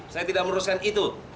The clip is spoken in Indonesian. saya tidak merusakan itu